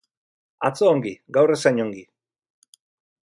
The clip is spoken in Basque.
Atzo ongi, gaur ez hain ongi.